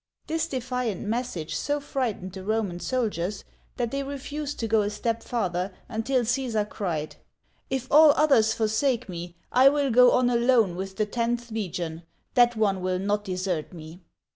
This defiant message so frightened the Roman soldiers that they refused to go a step farther until Caesar cried :" If all others forsake me, I will go on alone with the tenth legion ; that one will not desert me